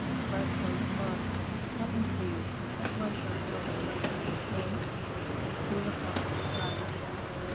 Fred closed the book. "Let me see, what was your noble brakeman's name?" Thea looked up with surprise.